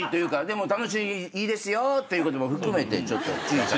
でも楽しいいいですよっていうことも含めてちょっと。